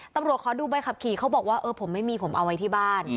ตำรวจเขาดูใบขับขี่เขาบอกว่าผมไม่มีผมเอาไว้ที่บ้าน